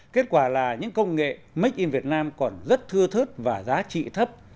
kết quả là những công nghệ make in việt nam còn rất thưa thớt và giá trị thấp